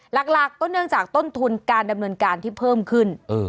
หลักก็เนื่องจากต้นทุนการดำเนินการที่เพิ่มขึ้น